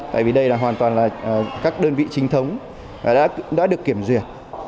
tại vì đây là hoàn toàn là các đơn vị chính thống đã được kiểm duyệt